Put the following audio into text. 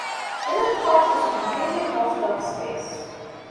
Willard calls this a completely Hausdorff space.